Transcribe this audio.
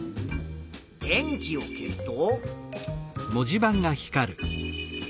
電気を消すと。